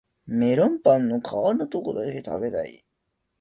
メロンパンの皮のとこだけ食べたい